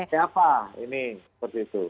siapa ini seperti itu